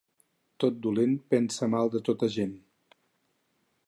Tot dolent pensa mal de tota gent.